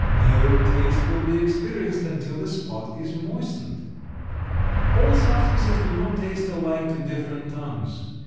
No taste will be experienced until the spot is moistened. All substances do not taste alike to different tongues.